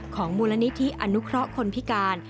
ของมูลนิธิอนุเคราะห์คนพิการ